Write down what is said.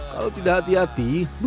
kalau tidak hati hati